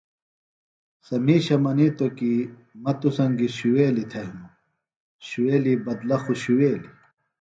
سےۡ مِیشہ منِیتوۡ کے مہ توۡ سنگیۡ شُوویلیۡ تھےۡ ہنوۡ، شُوویلیۡ بدلہ خوۡ شُوویلیۡ